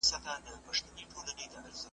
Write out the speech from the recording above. خپل تمدن هېر کړي